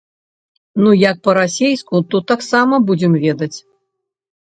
Ну як па-расейску, то таксама будзем ведаць.